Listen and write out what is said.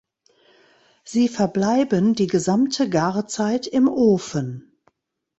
Sie verbleiben die gesamte Garzeit im Ofen.